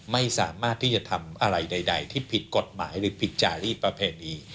ไม่สามารถที่จะทำอะไรใดที่ผิดกฎหมายหรือผิดจารีประเพณี